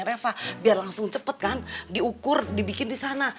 reva biar langsung cepet kan diukur dibikin disana